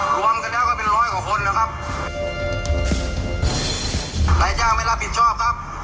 รวมกันแล้วก็เป็นร้อยกว่าคนนะครับนายจ้างไม่รับผิดชอบครับ